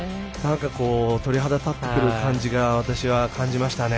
鳥肌が立ってくる感じが私は感じましたね。